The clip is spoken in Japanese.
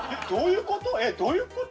どういうこと？